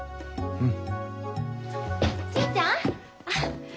うん。